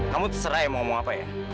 kamu terserah ya mau ngomong apa ya